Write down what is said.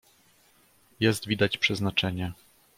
"Jest widać przeznaczenie."